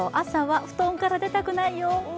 朝は布団から出たくないよ